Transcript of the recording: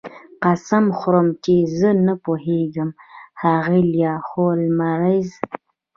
قسم خورم چې زه نه پوهیږم ښاغلی هولمز